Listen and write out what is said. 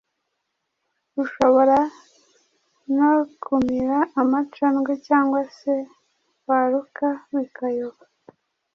Ushobora no kumira amacandwe cyangwa se waruka bikayoba